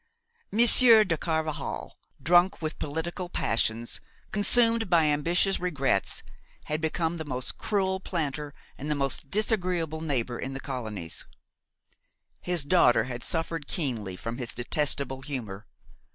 Monsieur de Carvajal, drunk with political passions, consumed by ambitious regrets, had become the most cruel planter and the most disagreeable neighbor in the colonies; his daughter had suffered keenly from his detestable humor.